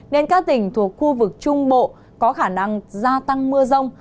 nên các tỉnh thuộc khu vực trung bộ có khả năng gia tăng mưa rông